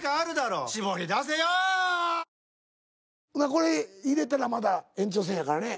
これ入れたらまだ延長戦やからね。